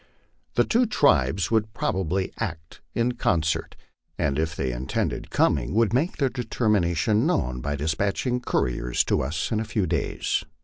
The two tribes would probably act in concert, and if they intended coming, would make their determination known by despatching couriers to us in a few days.